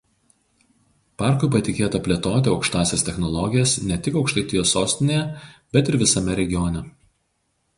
Parkui patikėta plėtoti aukštąsias technologijas ne tik Aukštaitijos sostinėje bet ir visame regione.